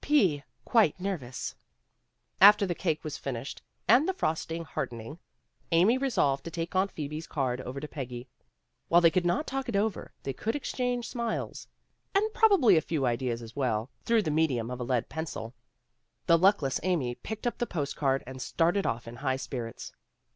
"P quite nervous." After the cake was finished and the frosting hardening, Amy re solved to take Aunt Phoebe's card over to Peggy. While they could not talk it over, they could exchange smiles, and probably a few 124 PEGGY RAYMOND'S WAY ideas as well, through the medium of a lead pencil. The luckless Amy picked up the post card and started off in high spirits.